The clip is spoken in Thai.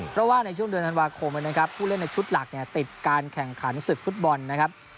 เพราะว่าในช่วงเดือนธันวาคมนะครับผู้เล่นในชุดหลักเนี่ยติดการแข่งขันศึกฟุตบอลนะครับ